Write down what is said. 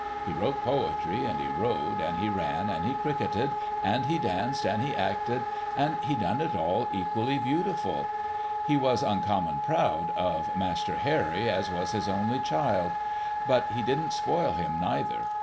He wrote poetry, and he rode, and he ran, and he cricketed, and he danced, and he acted, and he done it all equally beautiful. He T04 THE HOLLY TREE was uncommon proud of Master Harry as v/as his only child ; but he didn't spoil him neither.